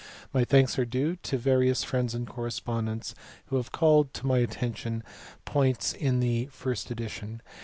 My thanks are due to; various friends and corre spondents who have eaUteS my atterition to points in the first edition.